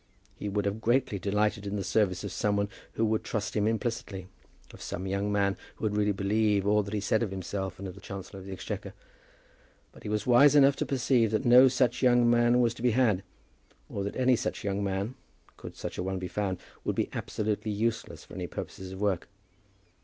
He would have greatly delighted in the services of some one who would trust him implicitly, of some young man who would really believe all that he said of himself and of the Chancellor of the Exchequer; but he was wise enough to perceive that no such young man was to be had; or that any such young man, could such a one be found, would be absolutely useless for any purposes of work.